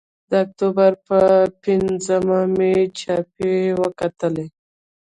د اکتوبر پر پینځمه مې چاپه وکتلې.